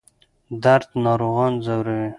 درد ناروغان ځوروي.